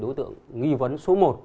đối tượng nghi vấn số một